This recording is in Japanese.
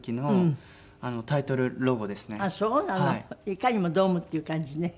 いかにもドームっていう感じね。